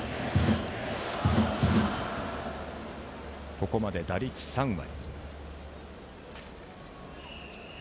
ここまで打率３割。